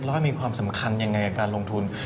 แล้วก็มีความสำคัญอย่างไรการลงทุน